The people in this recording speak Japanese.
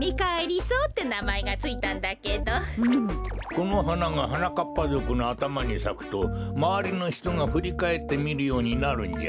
このはながはなかっぱぞくのあたまにさくとまわりのひとがふりかえってみるようになるんじゃ。